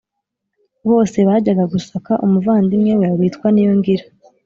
Bose bajyaga gusaka Umuvandimwe we witwa Niyongira